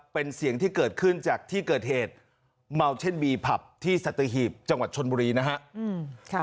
เป็นเสียงที่เกิดขึ้นจากที่เกิดเหตุเมาเช่นบีผับที่สัตหีบจังหวัดชนบุรีนะฮะ